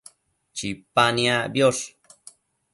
Chipa niacbiosh